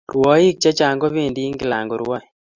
Rwaik che chang ko pendi England korwae